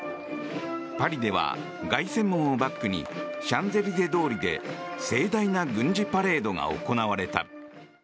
パリでは凱旋門をバックにシャンゼリゼ通りで盛大な軍事パレードが行われた。